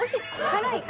辛い？